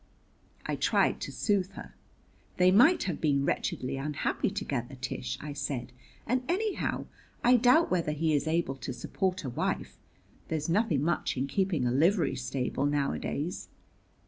I tried to soothe her. "They might have been wretchedly unhappy together, Tish," I said; "and, anyhow, I doubt whether he is able to support a wife. There's nothing much in keeping a livery stable nowadays."